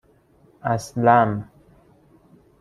اَسلَم